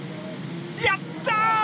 やったー！